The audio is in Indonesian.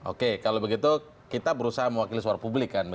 oke kalau begitu kita berusaha mewakili suara publik kan